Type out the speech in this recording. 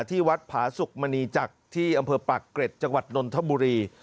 ที่วัดผาสุกมณีจักรที่อำเภอปากเกร็ดจังหวัดนนทบุรี